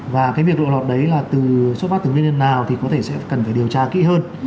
và cái việc lộ lọt đấy là từ xuất phát từ nguyên nhân nào thì có thể sẽ cần phải điều tra kỹ hơn